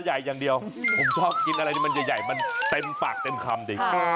ใหญ่อย่างเดียวผมชอบกินอะไรที่มันใหญ่มันเต็มปากเต็มคำดี